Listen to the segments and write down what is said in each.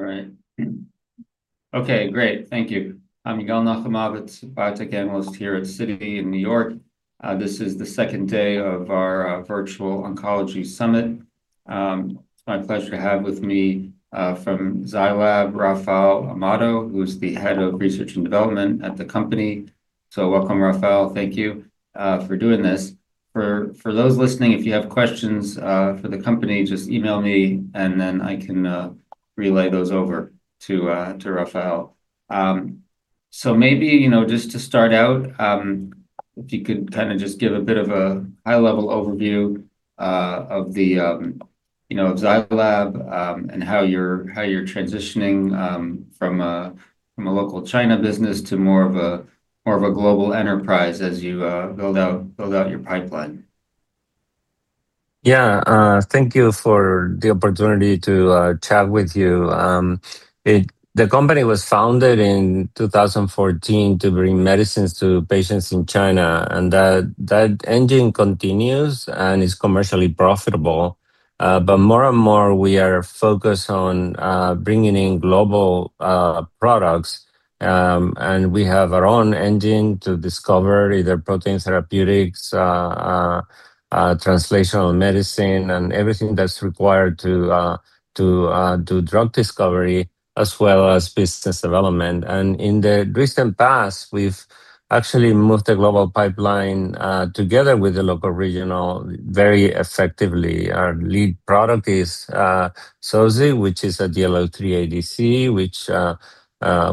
All right. Okay, great. Thank you. I'm Yigal Nochomovitz, biotech analyst here at Citi in New York. This is the second day of our virtual Oncology Summit. It's my pleasure to have with me from Zai Lab, Rafael Amado, who's the Head of Research and Development at the company. Welcome, Rafael. Thank you for doing this. For, for those listening, if you have questions for the company, just email me, and then I can relay those over to to Rafael. Maybe, you know, just to start out, if you could kind of just give a bit of a high-level overview of the, you know, Zai Lab, and how you're, how you're transitioning from a, from a local China business to more of a, more of a global enterprise as you build out, build out your pipeline? Yeah. Thank you for the opportunity to chat with you. The company was founded in 2014 to bring medicines to patients in China, and that, that engine continues and is commercially profitable. More and more, we are focused on bringing in global products. We have our own engine to discover either protein therapeutics, translational medicine and everything that's required to to to drug discovery, as well as business development. In the recent past, we've actually moved a global pipeline together with the local regional, very effectively. Our lead product is Zoci, which is a DLL3 ADC, which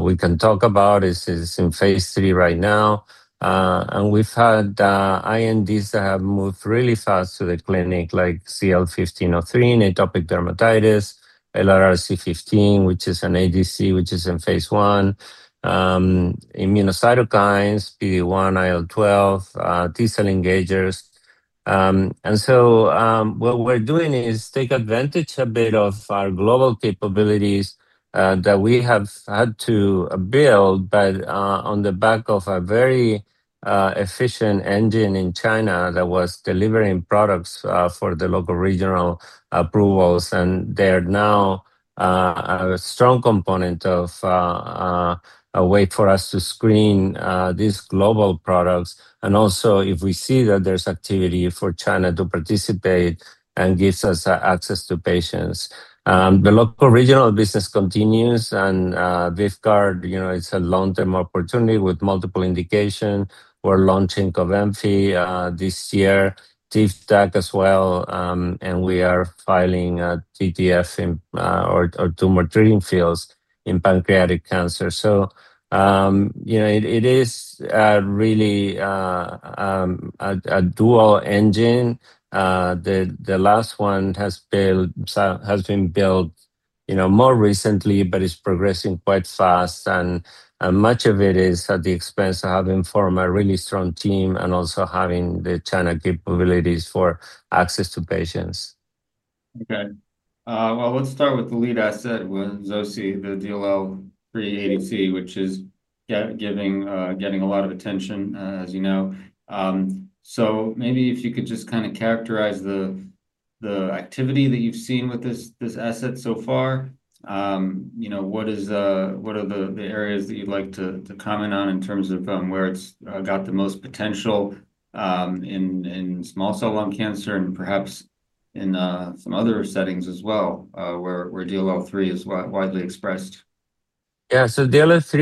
we can talk about. It is in phase III right now. We've had INDs that have moved really fast to the clinic, like ZL-1503 in atopic dermatitis, LRRC15, which is an ADC, which is in phase I. Immunocytokines, PD-1, IL-12, T cell engagers. What we're doing is take advantage a bit of our global capabilities that we have had to build, but on the back of a very efficient engine in China that was delivering products for the local regional approvals, and they're now a strong component of a way for us to screen these global products. If we see that there's activity for China to participate and gives us access to patients. The local regional business continues and this guard, you know, it's a long-term opportunity with multiple indication. We're launching COBENFY this year, TIVDAK as well, and we are filing TTF in or tumor treating fields in pancreatic cancer. You know, it is really a dual engine. The last one has built, has been built, you know, more recently, but it's progressing quite fast, and much of it is at the expense of having formed a really strong team and also having the China capabilities for access to patients. Okay, well, let's start with the lead asset with ZL-1310, the DLL3 ADC, which is getting a lot of attention, as you know. Maybe if you could just kind of characterize the activity that you've seen with this asset so far. You know, what is, what are the areas that you'd like to comment on in terms of where it's got the most potential in small cell lung cancer and perhaps in some other settings as well, where DLL3 is widely expressed? Yeah. DLL3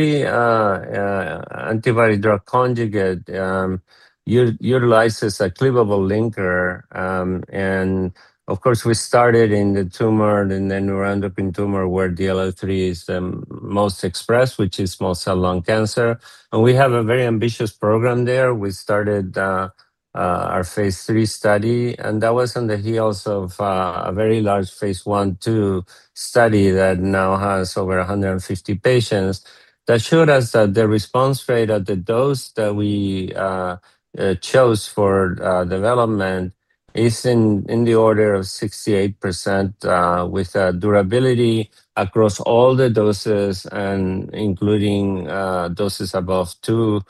antibody drug conjugate utilizes a cleavable linker. Of course, we started in the tumor, and then we end up in tumor where DLL3 is most expressed, which is small cell lung cancer, and we have a very ambitious program there. We started our phase III study, and that was on the heels of a very large phase I and II study that now has over 150 patients. That showed us that the response rate at the dose that we chose for development is in the order of 68%, with a durability across all the doses and including doses above 2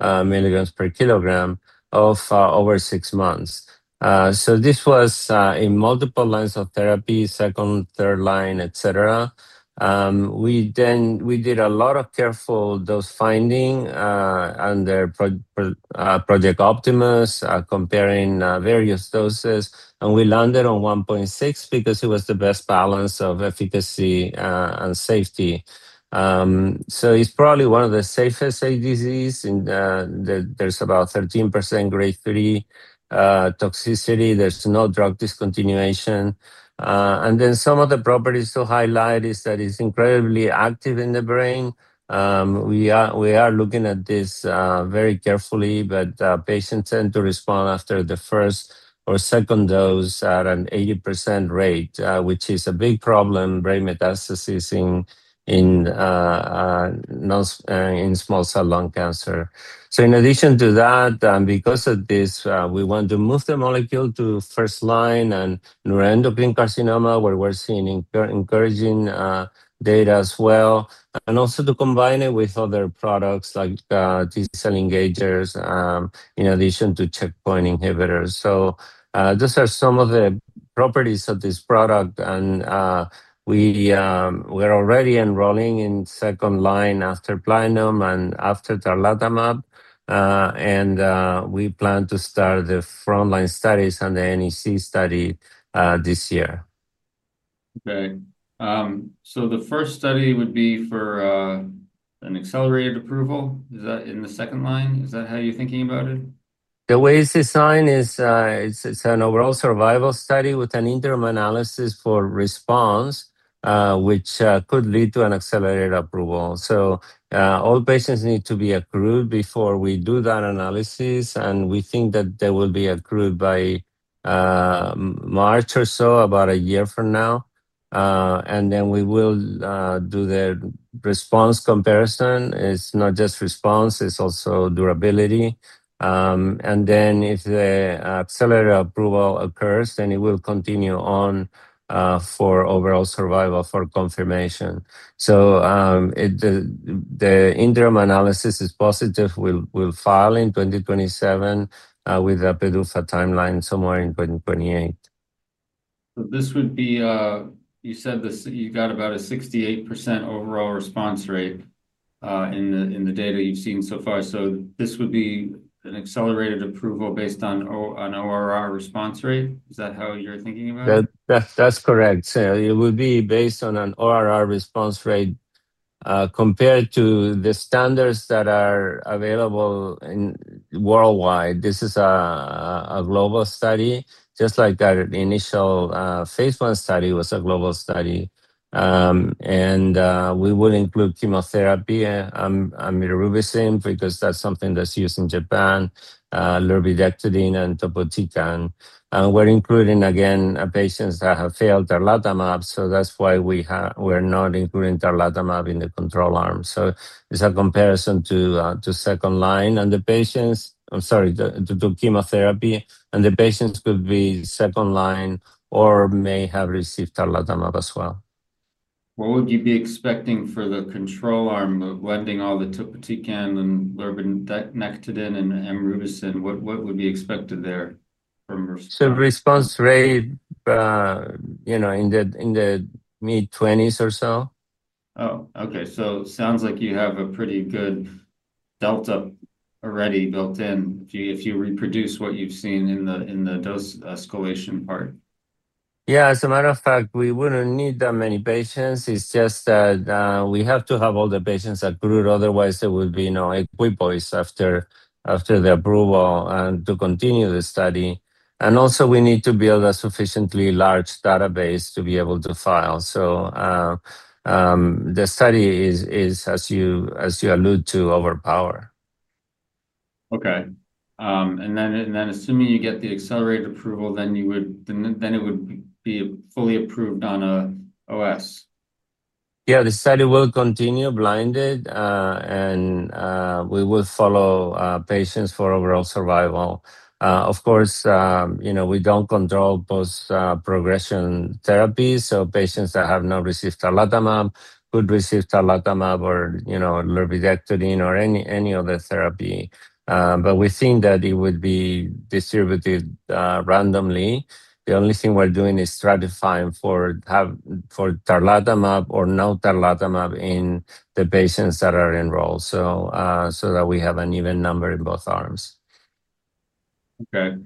mg/kg of over 6 months. This was in multiple lines of therapy, second, third line, et cetera. We did a lot of careful dose finding under Project Optimus, comparing various doses, and we landed on 1.6 because it was the best balance of efficacy and safety. It's probably one of the safest ADCs, and there's about 13% Grade 3 toxicity. There's no drug discontinuation. Then some of the properties to highlight is that it's incredibly active in the brain. We are looking at this very carefully, but patients tend to respond after the first or second dose at an 80% rate, which is a big problem, brain metastasis in non-small, in small cell lung cancer. In addition to that, and because of this, we want to move the molecule to first line and neuroendocrine carcinoma, where we're seeing encouraging data as well, and also to combine it with other products like T cell engagers, in addition to checkpoint inhibitors. These are some of the properties of this product, and we're already enrolling in second line after platinum and after tarlatamab, and we plan to start the frontline studies and the NEC study this year. Okay. The first study would be for an accelerated approval? Is that in the second line? Is that how you're thinking about it? The way it's designed is, it's, it's an overall survival study with an interim analysis for response, which could lead to an accelerated approval. All patients need to be approved before we do that analysis, and we think that they will be approved by March or so, about a year from now. And then we will do the response comparison. It's not just response, it's also durability. And then if the accelerated approval occurs, then it will continue on for overall survival for confirmation. If the interim analysis is positive, we'll, we'll file in 2027 with a PDUFA timeline somewhere in 2028. You said this, you got about a 68% overall response rate in the data you've seen so far. This would be an accelerated approval based on ORR response rate? Is that how you're thinking about it? That's correct. It would be based on an ORR response rate compared to the standards that are available worldwide. This is a global study, just like the initial phase I study was a global study. We will include chemotherapy, anthracycline, because that's something that's used in Japan, lurbinectedin and topotecan. We're including, again, patients that have failed tarlatamab, so that's why we're not including tarlatamab in the control arm. It's a comparison to second line, and the patients I'm sorry, to chemotherapy, and the patients could be second line or may have received tarlatamab as well. What would you be expecting for the control arm, blending all the topotecan and lurbinectedin, and amrubicin? What, what would be expected there from response? Response rate, you know, in the mid-twenties or so. Okay. sounds like you have a pretty good delta already built in, if you, if you reproduce what you've seen in the, in the dose escalation part. Yeah, as a matter of fact, we wouldn't need that many patients. It's just that, we have to have all the patients approved, otherwise there will be no equipoise after, after the approval and to continue the study. Also, we need to build a sufficiently large database to be able to file. The study is, is, as you, as you allude to, over power. Okay. Assuming you get the accelerated approval, then it would be fully approved on OS? Yeah, the study will continue blinded, and we will follow patients for overall survival. Of course, you know, we don't control post-progression therapy, so patients that have not received tarlatamab could receive tarlatamab or, you know, lurbinectedin or any, any other therapy. We think that it would be distributed randomly. The only thing we're doing is stratifying for tarlatamab or no tarlatamab in the patients that are enrolled, so that we have an even number in both arms. Okay.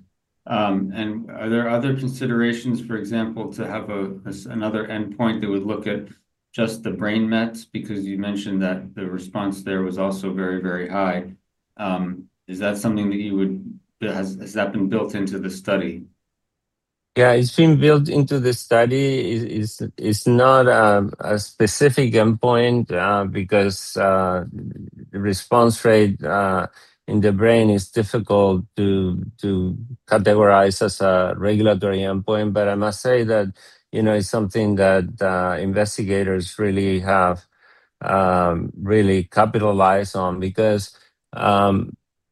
Are there other considerations, for example, to have a, a, another endpoint that would look at just the brain mets? Because you mentioned that the response there was also very, very high. Is that something that you would-- that has, has that been built into the study? Yeah, it's been built into the study. It is, it's not a specific endpoint because the response rate in the brain is difficult to categorize as a regulatory endpoint. I must say that, you know, it's something that investigators really have really capitalized on.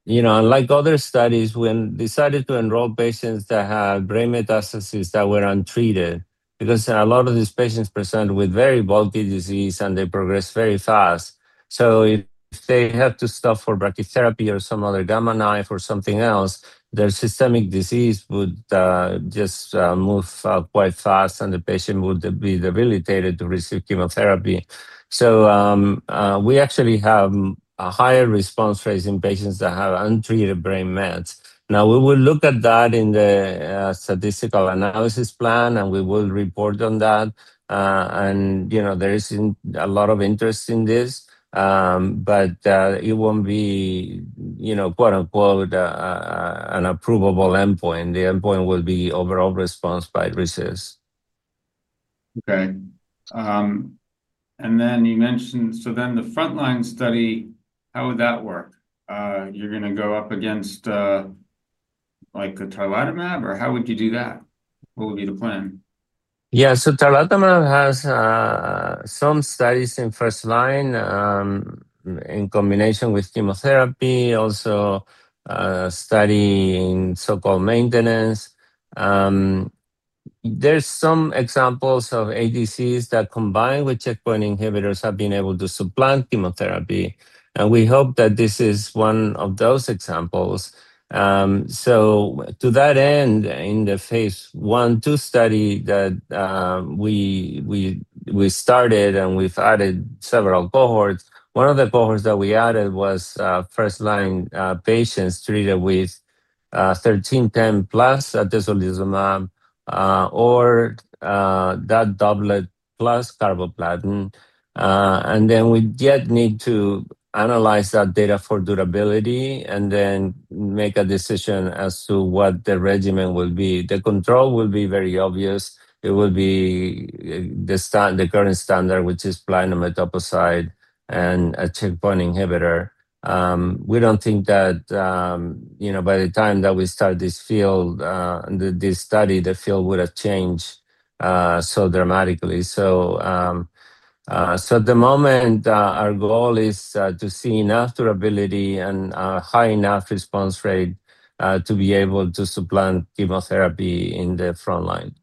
Unlike other studies, you know, we decided to enroll patients that had brain metastases that were untreated, because a lot of these patients present with very bulky disease, and they progress very fast. If they have to stop for brachytherapy or some other Gamma Knife or something else, their systemic disease would just move quite fast, and the patient would be debilitated to receive chemotherapy. We actually have a higher response rates in patients that have untreated brain mets. Now, we will look at that in the statistical analysis plan, and we will report on that. You know, there is a lot of interest in this, but it won't be, you know, quote-unquote, an approvable endpoint. The endpoint will be overall response by RECIST. Okay. Then you mentioned-- So then the frontline study, how would that work? You're gonna go up against, like, a tarlatamab, or how would you do that? What would be the plan? Tarlatamab has some studies in first-line, in combination with chemotherapy, also, study in so-called maintenance. There's some examples of ADCs that, combined with checkpoint inhibitors, have been able to supplant chemotherapy, and we hope that this is one of those examples. To that end, in the Phase I/II study that we started, and we've added several cohorts, one of the cohorts that we added was first-line patients treated with ZL-1310 plus atezolizumab, or that doublet plus carboplatin. Then we yet need to analyze that data for durability and then make a decision as to what the regimen will be. The control will be very obvious. It will be the current standard, which is platinum etoposide and a checkpoint inhibitor. We don't think that, you know, by the time that we start this field, the, this study, the field would have changed so dramatically. At the moment, our goal is to see enough durability and high enough response rate to be able to supplant chemotherapy in the front line.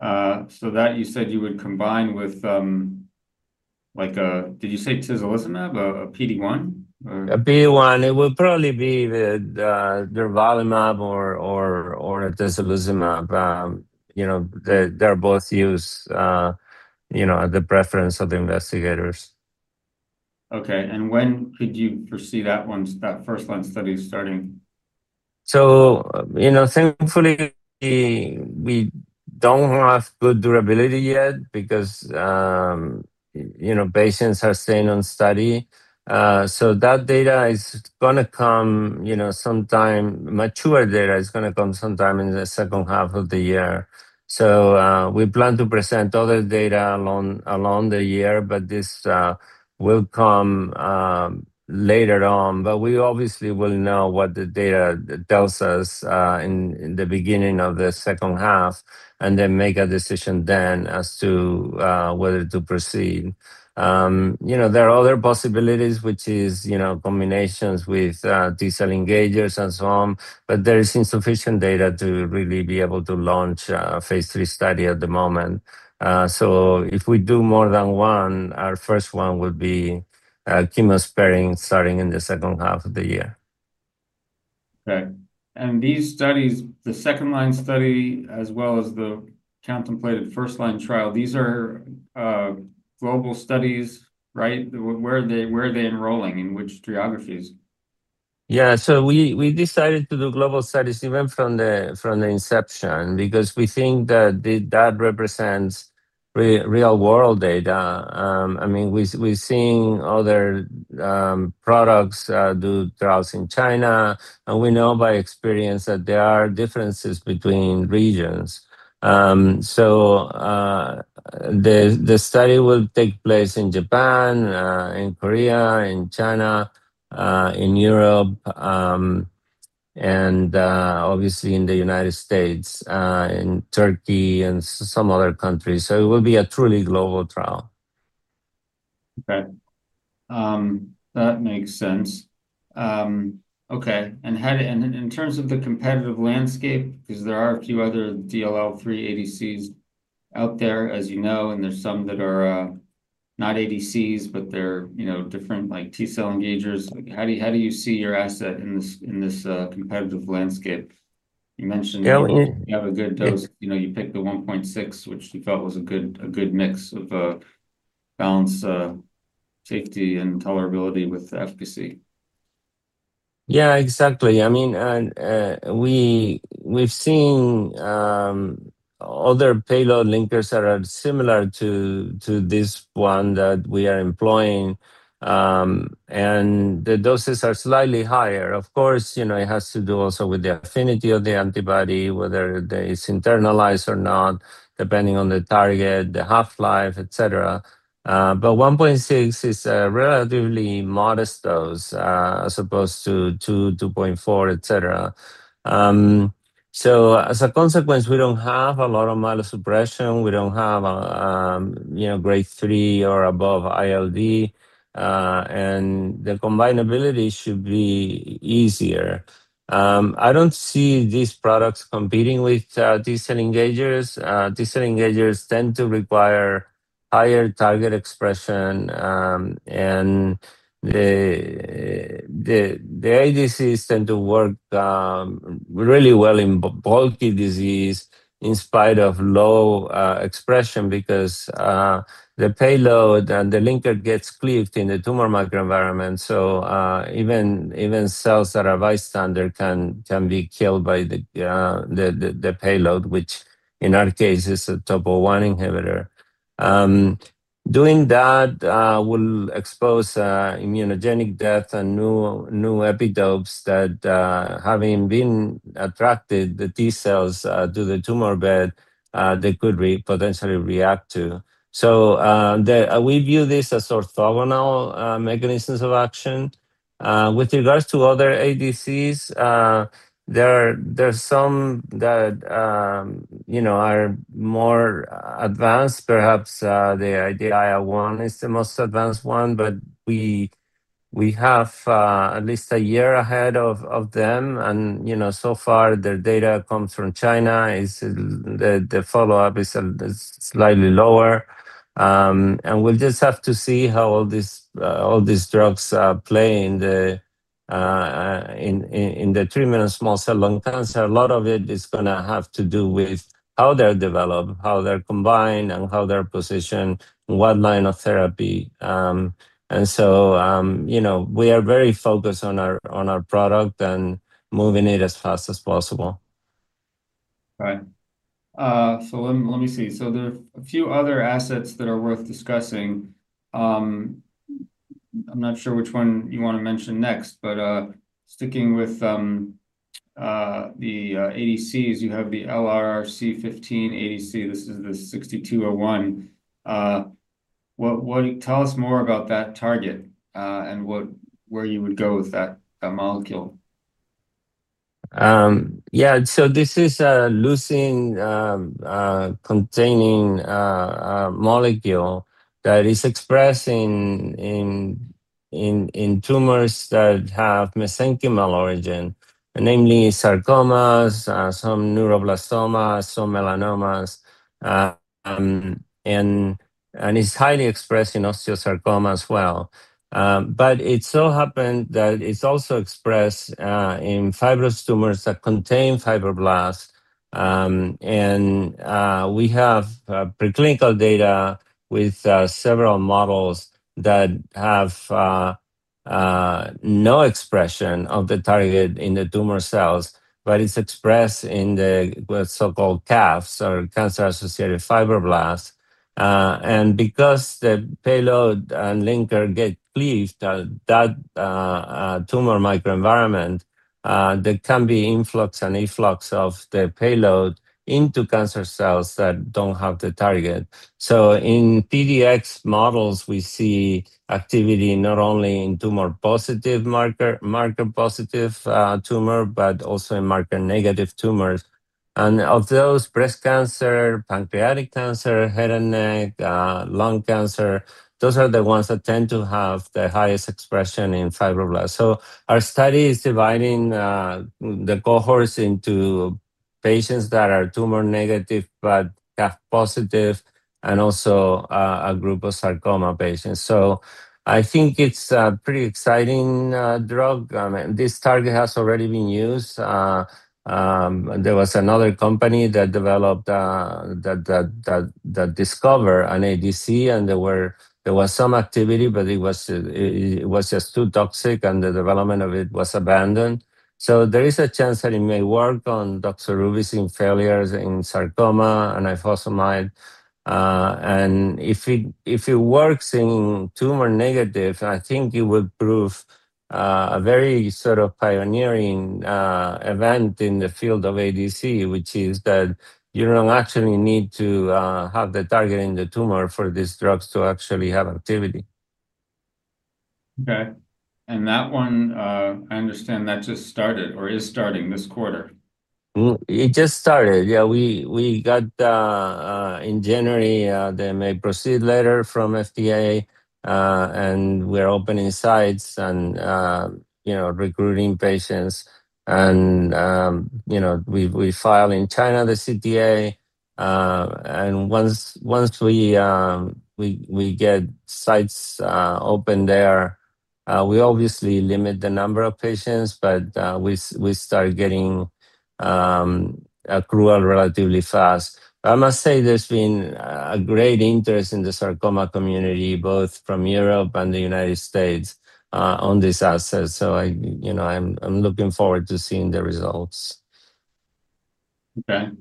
That you said you would combine with, like, did you say tislelizumab, a PD-1? A PD-1. It will probably be the durvalumab or, or, or atezolizumab. You know, they, they're both used, you know, at the preference of the investigators. Okay, when could you foresee that one, that first-line study starting? You know, thankfully, we, we don't have good durability yet because, you know, patients are staying on study. That data is gonna come, you know, mature data is gonna come sometime in the second half of the year. We plan to present other data along, along the year, but this will come later on. We obviously will know what the data tells us in, in the beginning of the second half, and then make a decision then as to whether to proceed. You know, there are other possibilities, which is, you know, combinations with T cell engagers and so on, but there is insufficient data to really be able to launch a phase III study at the moment. If we do more than 1, our first 1 would be chemo sparing, starting in the 2nd half of the year. Okay. These studies, the second-line study, as well as the contemplated first-line trial, these are, global studies, right? Where are they, where are they enrolling, in which geographies? We, we decided to do global studies even from the inception, because we think that that represents real-world data. I mean, we, we're seeing other products do trials in China, and we know by experience that there are differences between regions. The study will take place in Japan, in Korea, in China, in Europe, and obviously in the United States, in Turkey and some other countries. It will be a truly global trial. Okay. That makes sense. Okay. How did... In terms of the competitive landscape, because there are a few other DLL3 ADCs out there, as you know, and there's some that are not ADCs, but they're, you know, different, like T-cell engagers. How do you, how do you see your asset in this, in this competitive landscape? You mentioned- Yeah. You have a good dose. You know, you picked the 1.6, which you felt was a good, a good mix of balance, safety, and tolerability with FPC. Yeah, exactly. I mean, we've seen other payload linkers that are similar to this one that we are employing, and the doses are slightly higher. Of course, you know, it has to do also with the affinity of the antibody, whether it's internalized or not, depending on the target, the half-life, et cetera. 1.6 is a relatively modest dose, as opposed to 2, 2.4, et cetera. As a consequence, we don't have a lot of myelosuppression. We don't have, you know, Grade 3 or above ILD, and the combinability should be easier. I don't see these products competing with T cell engagers. T cell engagers tend to require higher target expression, and the ADCs tend to work really well in bulky disease, in spite of low expression, because the payload and the linker gets cleaved in the tumor microenvironment. Even cells that are bystander can be killed by the payload, which in our case is a Topo1 inhibitor. Doing that will expose immunogenic death and new epitopes that, having been attracted, the T cells to the tumor bed, they could potentially react to. We view this as orthogonal mechanisms of action. With regards to other ADCs, there are, there are some that, you know, are more advanced, perhaps, the IDEAYA is the most advanced one, but we, we have at least a year ahead of them. You know, so far, their data comes from China. The follow-up is slightly lower. We'll just have to see how all these drugs play in the in the treatment of small cell lung cancer. A lot of it is gonna have to do with how they're developed, how they're combined, and how they're positioned, what line of therapy. You know, we are very focused on our, on our product and moving it as fast as possible. Right. Let me, let me see. There are a few other assets that are worth discussing. I'm not sure which one you want to mention next, but sticking with the ADCs, you have the LRRC15 ADC. This is the 6201. What tell us more about that target, and what, where you would go with that molecule? This is a leucine containing molecule that is expressing in tumors that have mesenchymal origin, namely sarcomas, some neuroblastomas, some melanomas, and it's highly expressed in osteosarcoma as well. It so happened that it's also expressed in fibrous tumors that contain fibroblasts. We have preclinical data with several models that have no expression of the target in the tumor cells, but it's expressed in the CAFs, or cancer-associated fibroblasts. Because the payload and linker get cleaved, that tumor microenvironment, there can be influx and efflux of the payload into cancer cells that don't have the target. In PDX models, we see activity not only in tumor positive marker, marker-positive tumor, but also in marker-negative tumors. Of those, breast cancer, pancreatic cancer, head and neck, lung cancer, those are the ones that tend to have the highest expression in fibroblasts. Our study is dividing the cohorts into patients that are tumor negative but CAF positive, and also a group of sarcoma patients. I think it's a pretty exciting drug. This target has already been used. There was another company that developed that discover an ADC, and there was some activity, but it was, it was just too toxic, and the development of it was abandoned. There is a chance that it may work on taxane-resistant failures in sarcoma and ifosfamide. If it, if it works in tumor negative, I think it would prove a very sort of pioneering event in the field of ADC, which is that you don't actually need to have the target in the tumor for these drugs to actually have activity. Okay. That one, I understand that just started or is starting this quarter. Well, it just started. Yeah, we, we got in January the Study May Proceed letter from FDA. We're opening sites and, you know, recruiting patients. You know, we, we file in China, the CDE, and once, once we, we get sites open there, we obviously limit the number of patients. We, we start getting accrual relatively fast. I must say, there's been a great interest in the sarcoma community, both from Europe and the United States, on this asset, so I, you know, I'm, I'm looking forward to seeing the results. The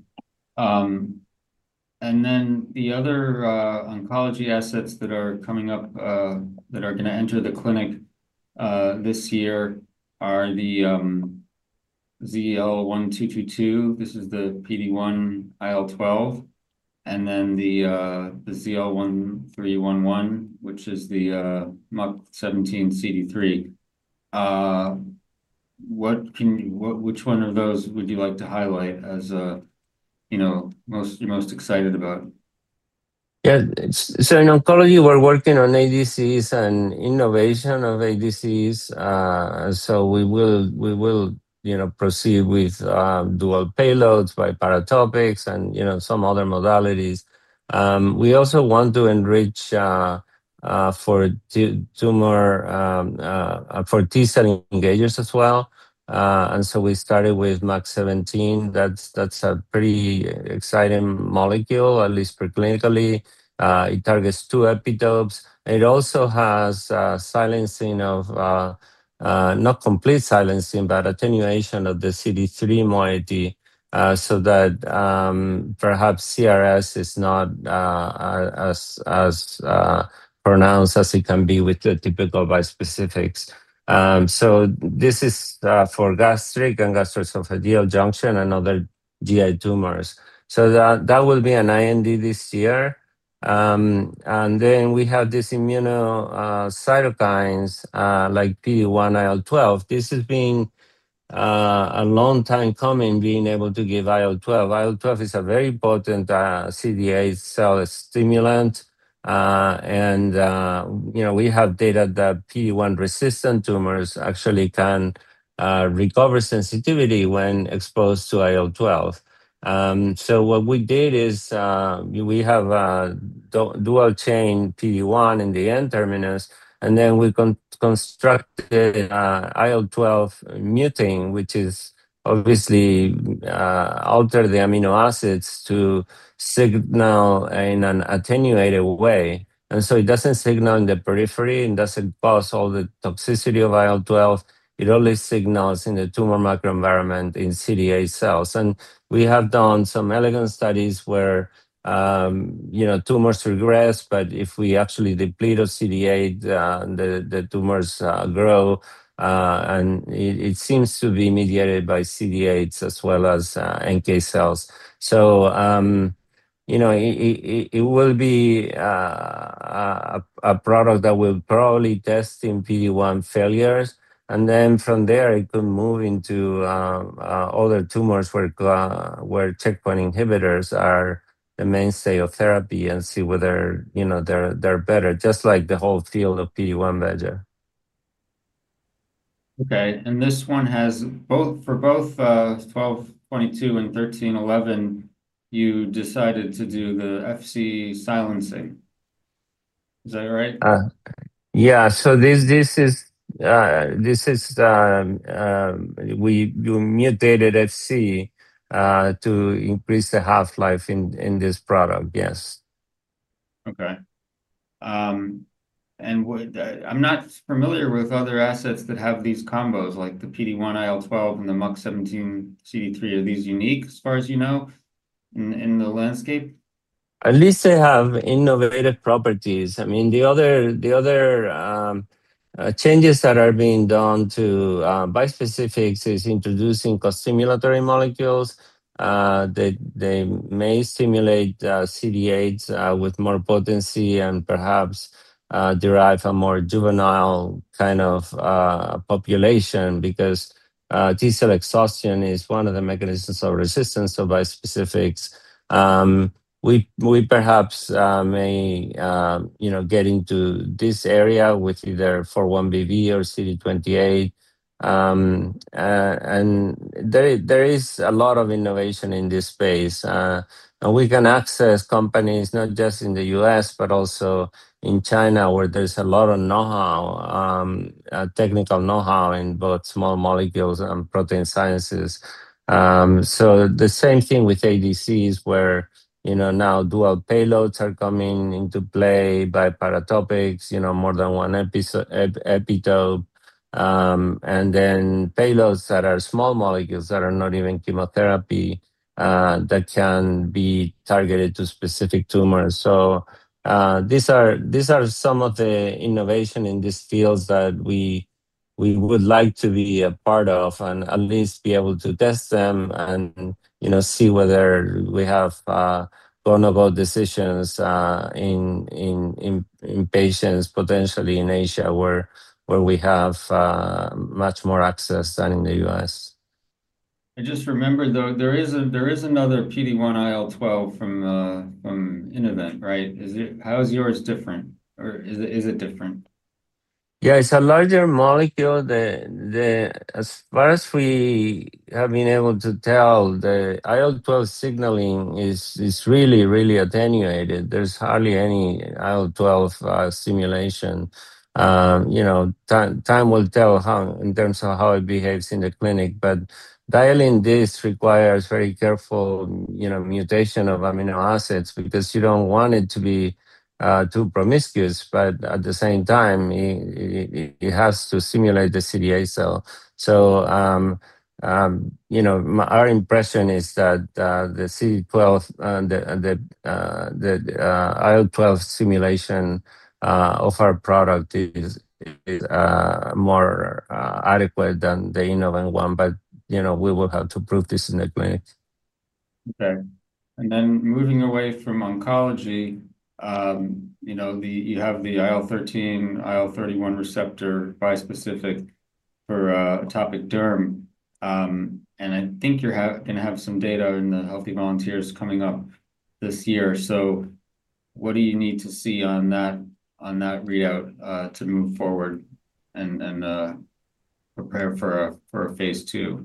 other oncology assets that are coming up that are going to enter the clinic this year are the ZL-1222. This is the PD-1/IL-12, and then the ZL-1311, which is the MUC17/CD3. Which one of those would you like to highlight as, you know, most, you're most excited about? Yeah. It's-- so in oncology, we're working on ADCs and innovation of ADCs, so we will, we will, you know, proceed with dual payloads, biparatopics, and, you know, some other modalities. We also want to enrich for tumor for T-cell engagers as well. We started with MUC17. That's, that's a pretty exciting molecule, at least preclinically. It targets two epitopes. It also has silencing of not complete silencing, but attenuation of the CD3 moiety, so that perhaps CRS is not as as pronounced as it can be with the typical bispecifics. This is for gastric and gastroesophageal junction and other GI tumors. That, that will be an IND this year. Then we have this immuno cytokines like PD-1/IL-12. This has been a long time coming, being able to give IL-12. IL-12 is a very potent CD8 T-cell stimulant. You know, we have data that PD-1-resistant tumors actually can recover sensitivity when exposed to IL-12. What we did is we have dual chain PD-1 in the N-terminus, and then we constructed IL-12 muting, which is obviously alter the amino acids to signal in an attenuated way. It doesn't signal in the periphery and doesn't cause all the toxicity of IL-12. It only signals in the tumor microenvironment in CD8 cells. We have done some elegant studies where, you know, tumors regress, but if we actually deplete of CD8, the tumors grow, and it seems to be mediated by CD8s as well as NK cells. You know, it, it, it, it will be a product that we'll probably test in PD-1 failures, and then from there, it could move into other tumors where checkpoint inhibitors are the mainstay of therapy and see whether, you know, they're, they're better, just like the whole field of PD-1 better. Okay, this one has both-- for both, 12.2 and 1311, you decided to do the Fc silencing. Is that right? Yeah. This, this is, this is, we, we mutated Fc, to increase the half-life in, in this product. Yes. Okay. What I'm not familiar with other assets that have these combos, like the PD-1/IL-12 and the MUC17/CD3. Are these unique, as far as you know, in the landscape? At least they have innovative properties. I mean, the other, the other changes that are being done to bispecifics is introducing costimulatory molecules. They, they may stimulate CD8s with more potency and perhaps derive a more juvenile kind of population, because T cell exhaustion is one of the mechanisms of resistance of bispecifics. We, we perhaps may, you know, get into this area with either 4-1BB or CD28. There is a lot of innovation in this space. We can access companies not just in the U.S., but also in China, where there's a lot of know-how, technical know-how in both small molecules and protein sciences. The same thing with ADCs, where, you know, now dual payloads are coming into play, biparatopics, you know, more than one epitope, and then payloads that are small molecules that are not even chemotherapy, that can be targeted to specific tumors. These are, these are some of the innovation in these fields that we, we would like to be a part of and at least be able to test them and, you know, see whether we have, vulnerable decisions, in patients, potentially in Asia, where, where we have, much more access than in the U.S. I just remembered, though, there is a, there is another PD-1/IL-12 from Innovent, right? How is yours different, or is it, is it different? Yeah, it's a larger molecule. The, the, as far as we have been able to tell, the IL-12 signaling is, is really, really attenuated. There's hardly any IL-12 stimulation. You know, time, time will tell how, in terms of how it behaves in the clinic. Dialing this requires very careful, you know, mutation of amino acids because you don't want it to be too promiscuous, but at the same time, it, it, it has to stimulate the CD8 cell. You know, my-- our impression is that the CD12 and the IL-12 stimulation of our product is more adequate than the Innovent one, but, you know, we will have to prove this in the clinic. Okay. Moving away from oncology, you know, the, you have the IL-13, IL-31 receptor bispecific for atopic derm. I think you're going to have some data in the healthy volunteers coming up this year. What do you need to see on that, on that readout, to move forward and, and, prepare for a, for a phase II?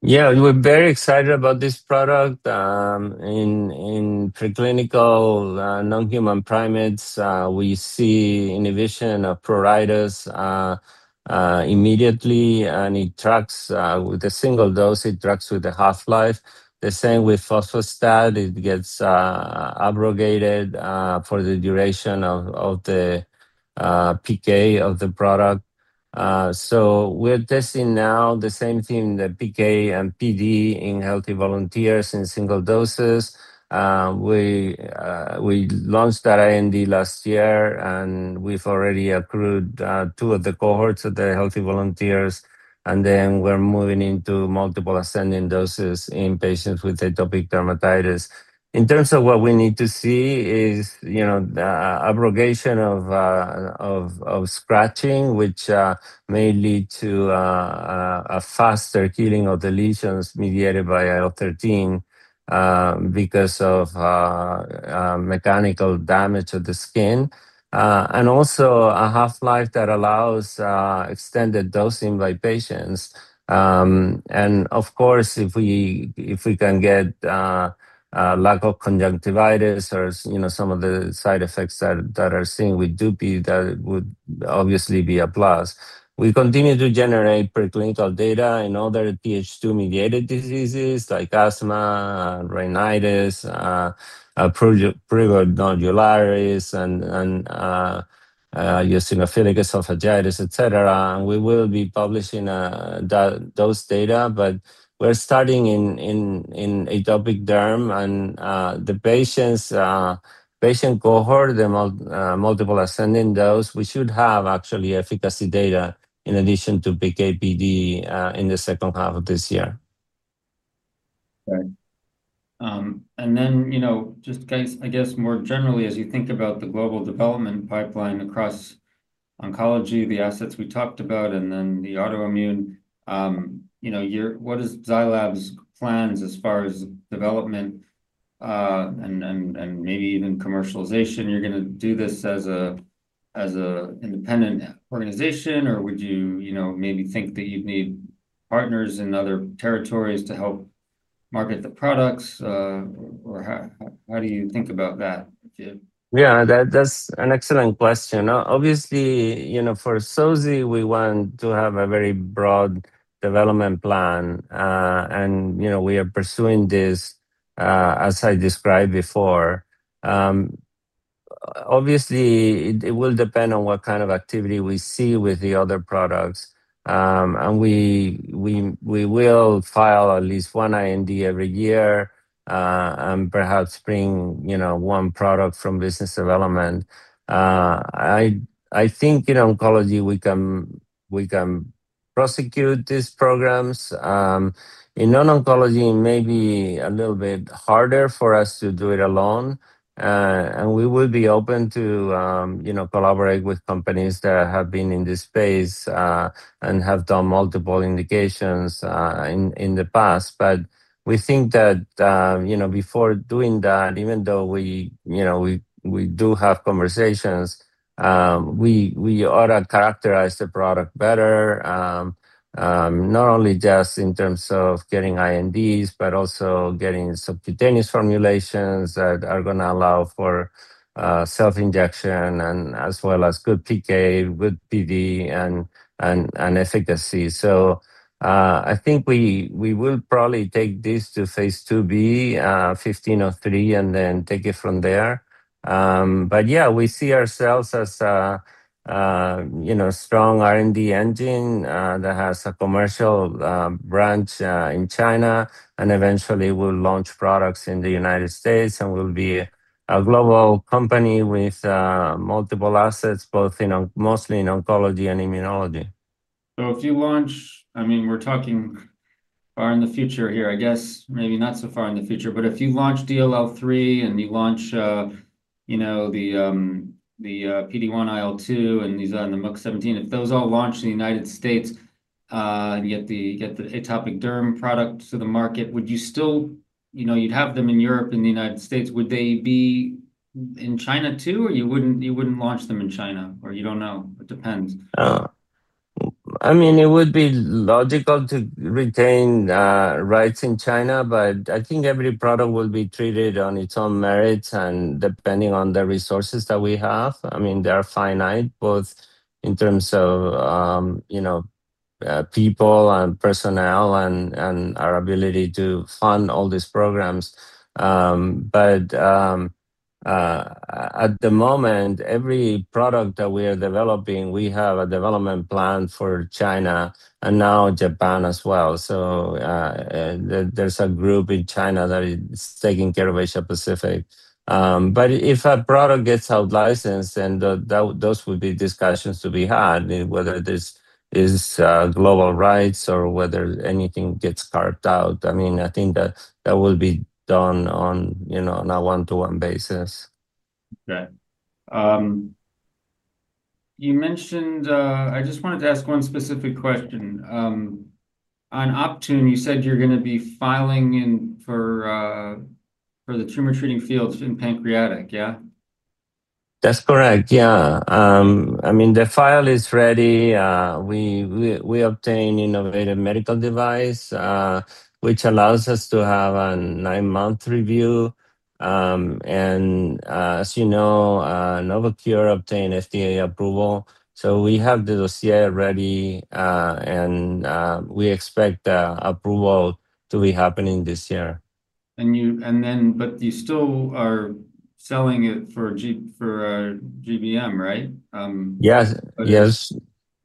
Yeah, we're very excited about this product. Um, in, in preclinical, uh, non-human primates, uh, we see inhibition of pruritus, uh, uh, immediately, and it tracks, uh, with a single dose, it tracks with the half-life. The same with [vorinostat], it gets, uh, abrogated, uh, for the duration of, of the, uh, PK of the product. Uh, so we're testing now the same thing, the PK and PD, in healthy volunteers in single doses. Uh, we, uh, we launched that IND last year, and we've already accrued, uh, two of the cohorts of the healthy volunteers, and then we're moving into multiple ascending doses in patients with atopic dermatitis. In terms of what we need to see is, you know, the abrogation of scratching, which may lead to a faster healing of the lesions mediated by IL-13, because of mechanical damage of the skin. Also a half-life that allows extended dosing by patients. Of course, if we, if we can get lack of conjunctivitis or, you know, some of the side effects that are seen with Dupixent, that would obviously be a plus. We continue to generate preclinical data in other Th2-mediated diseases like asthma, rhinitis, prurigo nodularis, and eosinophilic esophagitis, et cetera. We will be publishing that, those data, but we're starting in, in, in atopic derm, and the patients, patient cohort, the multiple ascending dose, we should have actually efficacy data in addition to PK/PD in the second half of this year. Right. Then, you know, just guys, I guess more generally, as you think about the global development pipeline across oncology, the assets we talked about, and then the autoimmune, you know, your-- what is Zai Lab's plans as far as development, and, and, and maybe even commercialization? You're going to do this as a, as a independent organization, or would you, you know, maybe think that you'd need partners in other territories to help market the products, or how, how do you think about that? 's an excellent question. Obviously, you know, for Zoci, we want to have a very broad development plan. And, you know, we are pursuing this as I described before. Obviously, it will depend on what kind of activity we see with the other products. And we will file at least one IND every year, and perhaps bring, you know, one product from business development. I think in oncology, we can prosecute these programs. In non-oncology, it may be a little bit harder for us to do it alone, and we will be open to, you know, collaborate with companies that have been in this space and have done multiple indications in the past. We think that, you know, before doing that, even though we, you know, we, we do have conversations, we ought to characterize the product better, not only just in terms of getting INDs, but also getting subcutaneous formulations that are going to allow for self-injection and as well as good PK, good PD, and efficacy. I think we will probably take this to phase IIB 1503 and then take it from there. Yeah, we see ourselves as a, you know, strong R&D engine that has a commercial branch in China, and eventually we'll launch products in the United States, and we'll be a global company with multiple assets, both in mostly in oncology and immunology. If you launch... I mean, we're talking far in the future here, I guess, maybe not so far in the future, but if you launch DLL3 and you launch, you know, the PD-1/IL-2 and these, the MUC17, if those all launch in the United States, and you get the, you get the atopic derm products to the market, would you still, you know, you'd have them in Europe and the United States, would they be in China, too, or you wouldn't, you wouldn't launch them in China, or you don't know, it depends? I mean, it would be logical to retain rights in China, but I think every product will be treated on its own merits and depending on the resources that we have. I mean, they are finite, both in terms of, you know, people and personnel and, and our ability to fund all these programs. At the moment, every product that we are developing, we have a development plan for China and now Japan as well. There's a group in China that is taking care of Asia-Pacific. If a product gets out-licensed, then the, that, those would be discussions to be had, whether this is global rights or whether anything gets carved out. I mean, I think that that will be done on, you know, on a one-to-one basis. Right. You mentioned. I just wanted to ask one specific question. On Optune, you said you're going to be filing in for, for the Tumor Treating Fields in pancreatic, yeah? That's correct, yeah. I mean, the file is ready. We, we, we obtained innovative medical device, which allows us to have a 9-month review. As you know, Novocure obtained FDA approval, so we have the dossier ready, and we expect the approval to be happening this year. You still are selling it for GBM, right? Yes. Yes.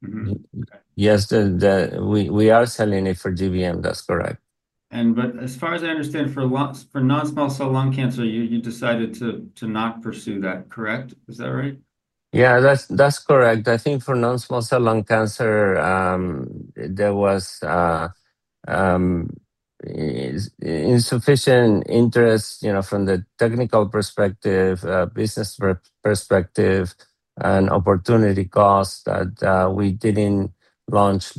Mm-hmm. Okay. Yes, the, the, we, we are selling it for GBM. That's correct. As far as I understand, for non-small cell lung cancer, you, you decided to, to not pursue that, correct? Is that right? Yeah, that's, that's correct. I think for non-small cell lung cancer, there was insufficient interest, you know, from the technical perspective, business perspective and opportunity cost that we didn't launch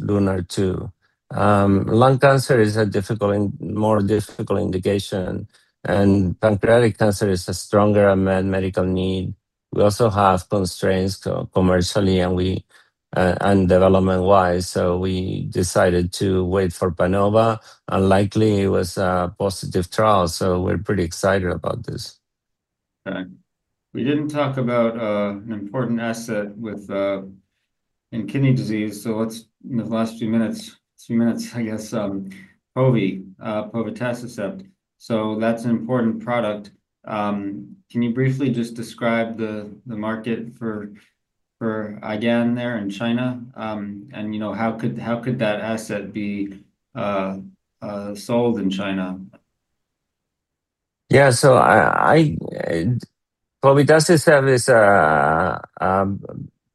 LUNAR-2. Lung cancer is a difficult and more difficult indication, and pancreatic cancer is a stronger unmet medical need. We also have constraints commercially, and we and development-wise, so we decided to wait for PANOVA-3. Likely, it was a positive trial, so we're pretty excited about this. Right. We didn't talk about an important asset with in kidney disease. Let's, in the last few minutes, few minutes, I guess, pove, povetacicept. That's an important product. Can you briefly just describe the market for again, there in China? You know, how could, how could that asset be sold in China? Yeah, so I, I, and what we does is have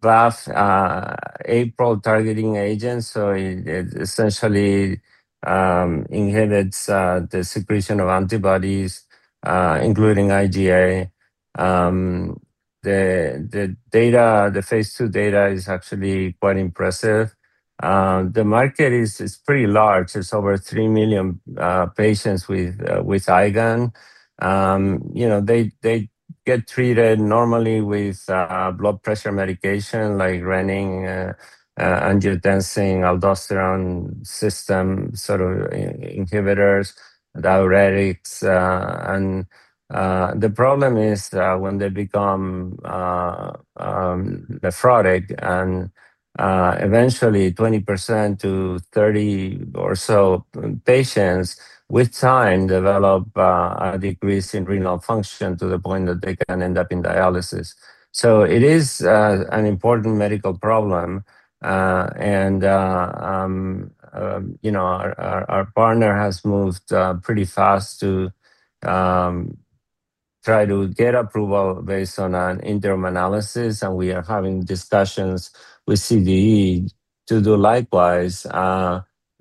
is BAFF APRIL targeting agents. So it, it essentially inhibits the secretion of antibodies, including IgA. The, the data, the phase II data is actually quite impressive. The market is, is pretty large. It's over 3 million patients with IgAN. You know, they, they get treated normally with blood pressure medication, like renin-angiotensin-aldosterone system, sort of in-inhibitors, diuretics. The problem is when they become nephrotic, and eventually 20%-30% or so patients with time develop a decrease in renal function to the point that they can end up in dialysis. It is an important medical problem. You know, our, our, our partner has moved pretty fast to try to get approval based on an interim analysis, and we are having discussions with CDE to do likewise.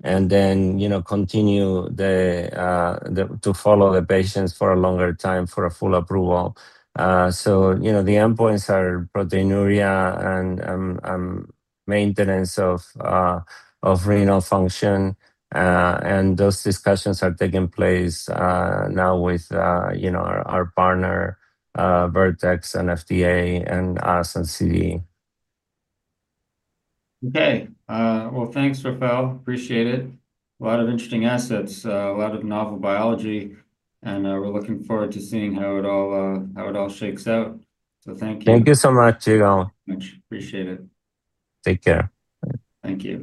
You know, continue the to follow the patients for a longer time for a full approval. You know, the endpoints are proteinuria and maintenance of renal function. Those discussions are taking place now with, you know, our, our partner, Vertex and FDA and us and CDE. Okay. Well, thanks, Rafael. Appreciate it. A lot of interesting assets, a lot of novel biology, and we're looking forward to seeing how it all, how it all shakes out. Thank you. Thank you so much, Yigal. Much appreciated. Take care. Thank you.